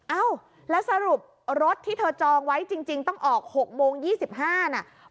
เอ้าแล้วสรุปรถที่เธอจองไว้จริงต้องออก๖โมง๒๕น่ะ